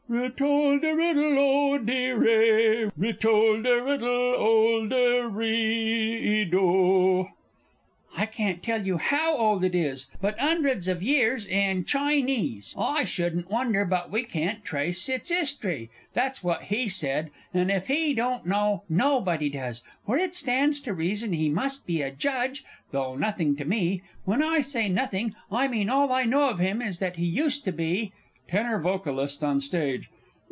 "Ritolderiddle, ol de_ray_ ritolderiddle, olde ri ido!") I can't tell you how old it is, but 'undreds of years, and Chinese, I shouldn't wonder, but we can't trace its 'istry that's what he said, and if he don't know, nobody does, for it stands to reason he must be a judge, though nothing to me, when I say nothing, I mean all I know of him is that he used to be (TENOR VOCALIST ON STAGE.